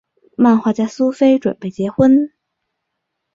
漫画家苏菲准备结婚。